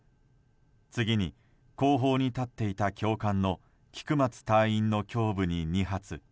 次に後方に立っていた教官の菊松隊員の胸部に２発。